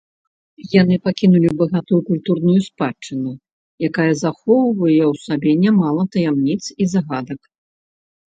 Яны пакінулі багатую культурную спадчыну, якая захоўвае ў сабе нямала таямніц і загадак.